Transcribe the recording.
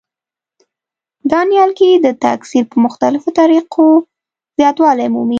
دا نیالګي د تکثیر په مختلفو طریقو زیاتوالی مومي.